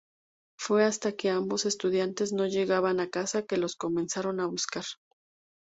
Fue hasta que ambos estudiantes no llegaban a casa que los comenzaron a buscar.